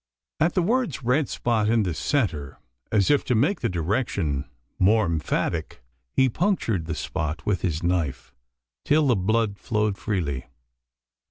At the words "red spot in the centre," as if to make the direction more emphatic, he punctured the spot with his knife till the blood flowed freely.